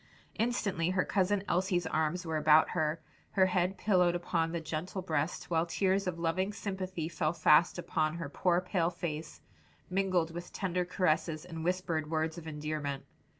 Instantly her cousin Elsie's arms were about her, her head pillowed upon the gentle breast, while tears of loving sympathy fell fast upon her poor pale face, mingled with tender caresses and whispered words of endearment.